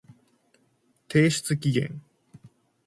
提出期限